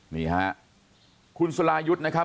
นี่ฮะคุณสรายุทธ์นะครับ